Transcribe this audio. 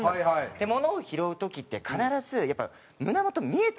でものを拾う時って必ずやっぱ胸元見えちゃうんですよ。